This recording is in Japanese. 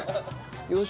よし。